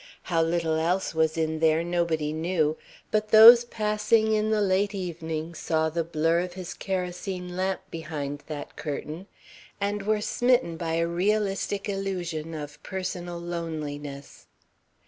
How little else was in there, nobody knew. But those passing in the late evening saw the blur of his kerosene lamp behind that curtain and were smitten by a realistic illusion of personal loneliness.